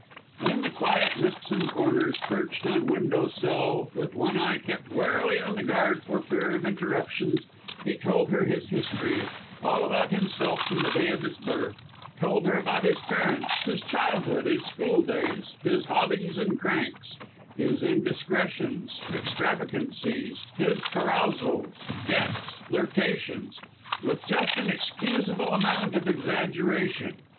And in the quiet nooks and corners, perched on the window sill, with one eye kept warily on the guard for fear of interruptions, he told her his history all about himself from the day of his birth told her about his parents, his childhood, his schooldays, his hobbies and cranks, his indiscretions, extravagancies, his carousals, debts, flirtations, with just an excusable amount of exaggeration.